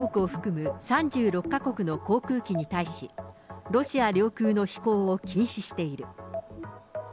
現在、ロシアは、ＥＵ加盟国を含む３６か国の航空機に対し、ロシア領空の飛行を禁止している。